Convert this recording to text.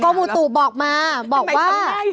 ก้อมูตุบอกมาบอกว่า